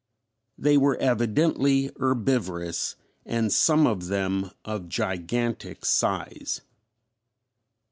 They were evidently herbivorous and some of them of gigantic size.